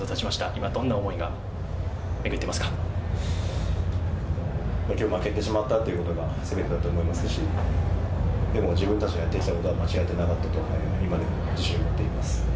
今、どんな思いが巡っきょう負けてしまったということが、すべてだと思いますし、でも、自分たちがやってきたことは間違えてなかったと今でも自信を持っています。